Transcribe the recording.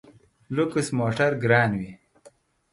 لوکس موټر ګران وي.